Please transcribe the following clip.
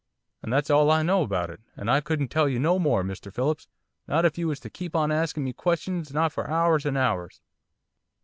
And that's all I know about it, and I couldn't tell you no more, Mr Phillips, not if you was to keep on asking me questions not for hours and hours.